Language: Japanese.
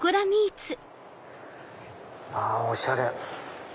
あおしゃれ！